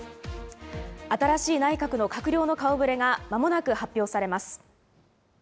新しい内閣の閣僚の顔ぶれがまもなく発表されます。